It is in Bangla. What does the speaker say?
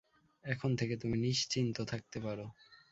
এখন থেকে তুমি নিশ্চিন্ত থাকতে পার।